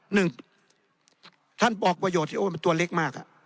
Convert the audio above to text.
หนึ่งท่านบอกประโยชน์ที่โอ้มันตัวเล็กมาก